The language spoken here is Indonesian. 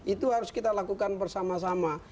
itu harus kita lakukan bersama sama